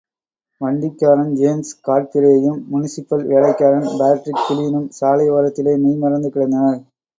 வண்டிக்காரன் ஜேம்ஸ் காட்பிரேயும், முனிசிப்பல் வேலைக்காரன் பாட்ரிக் பிளினும் சாலை ஓரத்திலே மெய்மறந்து கிடந்தனர்.